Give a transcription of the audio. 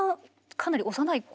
かなり幼い頃。